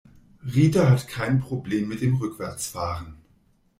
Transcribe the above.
Rita hat kein Problem mit dem Rückwärtsfahren.